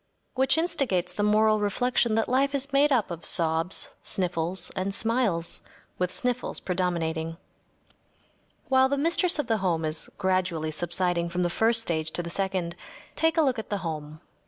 Which instigates the moral reflection that life is made up of sobs, sniffles, and smiles, with sniffles predominating. While the mistress of the home is gradually subsiding from the first stage to the second, take a look at the home.